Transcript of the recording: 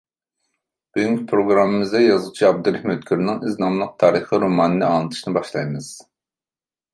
بۈگۈنكى پروگراممىمىزدا يازغۇچى ئابدۇرېھىم ئۆتكۈرنىڭ ئىز ناملىق تارىخى رومانىنى ئاڭلىتىشنى باشلايمىز.